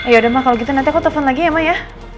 yaudah ya ma kalau gitu nanti aku telepon lagi ya ma ya